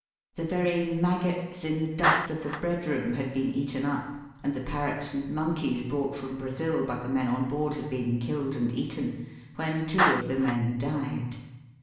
The very maggots in the dust of the bread room had been eaten up, and the parrots and monkeys brought from Brazil by the men on board had been killed and eaten, when two of the men died.